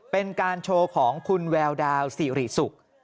เป็นการโชว์ของคุณแววดาวสิริสุก